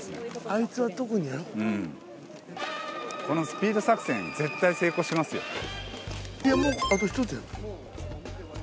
このスピード作戦絶対成功しますよ。